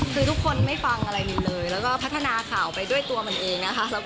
คือทุกคนไม่ฟังอะไรมินเลยแล้วก็พัฒนาข่าวไปด้วยตัวมันเองนะคะ